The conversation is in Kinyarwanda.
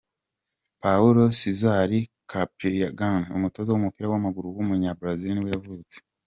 Paulo César Carpegiani, umutoza w’umupira w’amaguru w’umunya Brazil ni bwo yavutse.